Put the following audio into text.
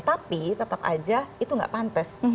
tapi tetap aja itu nggak pantas